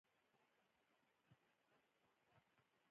تر سهاره مې د جملو کیفیت لوړ کړ.